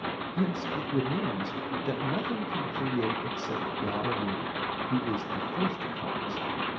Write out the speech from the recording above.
Hence it remains that nothing can create except God alone, Who is the first cause.